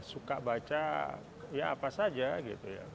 suka baca ya apa saja gitu ya